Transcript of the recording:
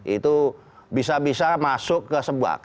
itu bisa bisa masuk ke sebuah